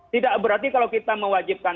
tidak berarti kalau kita mewajibkan